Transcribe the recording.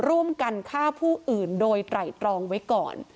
ร่วมกันฆ่าผู้อื่นโดยไตรตรองไว้ก่อน